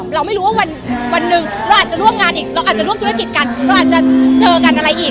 เราอาจจะร่วมธุรกิจกันอาจจะเจอกันอะไรอีก